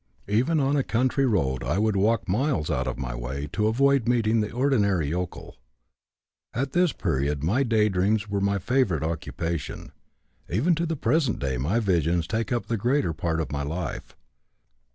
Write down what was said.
Even on a country road I would walk miles out of my way to avoid meeting the ordinary yokel. At this period my day dreams were my favorite occupation. Even to the present day my visions take up the greater part of my life.